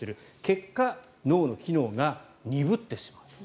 結果、脳の機能が鈍ってしまう。